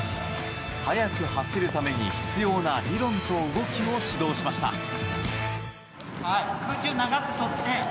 速く走るために必要な理論と動きを指導しました。